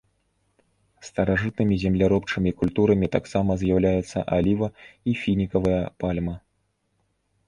Старажытнымі земляробчымі культурамі таксама з'яўляюцца аліва і фінікавая пальма.